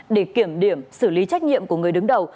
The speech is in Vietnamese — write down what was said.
để kiểm điểm xử lý trách nhiệm của người đứng đầu